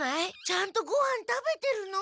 ちゃんとごはん食べてるの？